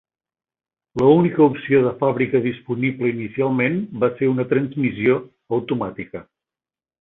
La única opció de fàbrica disponible inicialment va ser una transmissió automàtica.